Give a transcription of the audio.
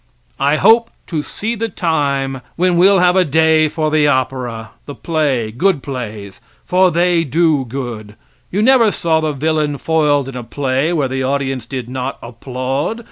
I hope to see the time when we'll have a day for the opera, the play good plays for they do good. You never saw the villain foiled in a play where the audience did not applaud.